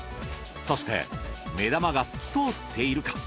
そして目玉が透き通っているか。